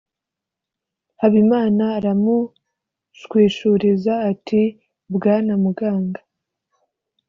Habimana aramushwishuriza ati: “Bwana Muganga